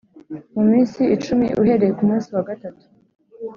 Mu minsi icumi uhereye ku munsi wa gatatu